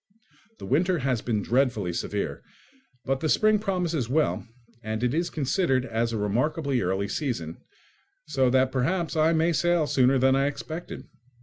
The winter has been dreadfully severe, but the spring promises well, and it is considered as a remarkably early season, so that perhaps I may sail sooner than I expected.